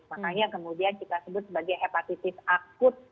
makanya kemudian kita sebut sebagai hepatitis akut